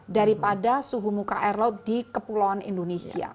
daripada suhu muka air laut di kepulauan indonesia